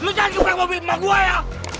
eh lu jangan gebukin mobil emak gue ya